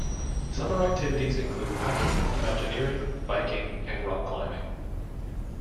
Summer activities include hiking, mountaineering, biking and rock climbing.